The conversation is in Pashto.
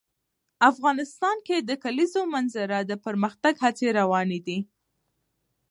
افغانستان کې د د کلیزو منظره د پرمختګ هڅې روانې دي.